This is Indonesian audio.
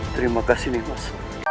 terima kasih nih mas